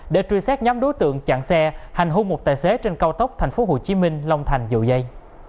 để truy sát nhóm đối tượng chặn xe hành hung một tài xế trên cao tốc thành phố hồ chí minh long thành dầu dây